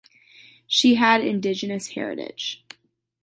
She has indigenous heritage.